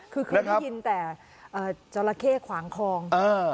คือเคยได้ยินแต่จราเข้ขวางคลอง